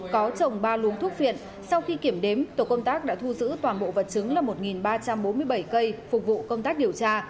có trồng ba luống thuốc phiện sau khi kiểm đếm tổ công tác đã thu giữ toàn bộ vật chứng là một ba trăm bốn mươi bảy cây phục vụ công tác điều tra